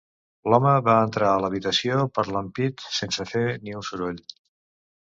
L'home va entrar a l'habitació per l'ampit sense fer ni un soroll.